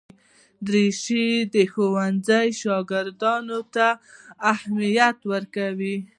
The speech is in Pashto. دریشي د ښوونځي شاګرد ته اهمیت ورکوي.